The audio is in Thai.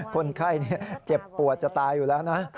คนไข้เจ็บปวดจะตายอยู่แล้วนะ